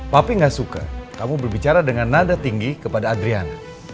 tapi gak suka kamu berbicara dengan nada tinggi kepada adriana